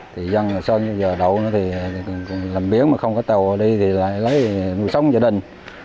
thì dân sơn giờ đậu nữa thì làm biến mà không có tàu ở đây thì lại lấy sống cho đình